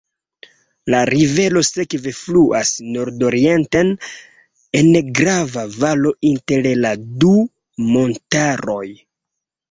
La rivero sekve fluas nordorienten, en granda valo inter la du montaroj.